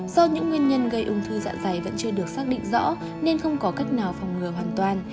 do những nguyên nhân gây ung thư dạ dày vẫn chưa được xác định rõ nên không có cách nào phòng ngừa hoàn toàn